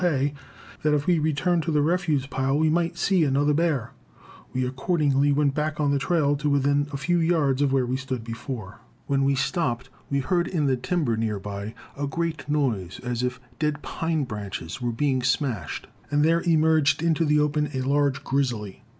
Hay, that if we returned to the refuse pile we might see another bear. We accordingly went back on the trail to within a few yards of where we stood before. When we stopped we heard, in the timber near by, a great noise, as if dead pine branches were being smashed, and there emerged into the open a large grizzly.